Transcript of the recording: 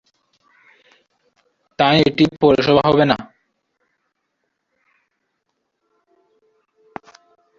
তাই এটি পৌরসভা হবে না।